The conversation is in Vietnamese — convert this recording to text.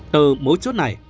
từ mỗi chỗ này